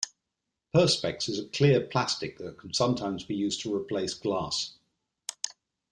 Perspex is a clear plastic that can sometimes be used to replace glass